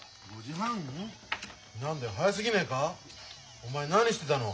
お前何してたの？